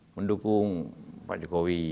mendukung pak jokowi